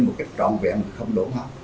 một cách tròn vẹn không đủ hả